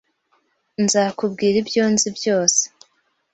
Nzakubwira ibyo nzi byose.